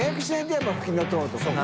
やっぱりふきのとうとかね。